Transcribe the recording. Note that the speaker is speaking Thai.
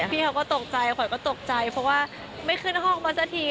พี่เขาก็ตกใจขวัญก็ตกใจเพราะว่าไม่ขึ้นห้องมาสักที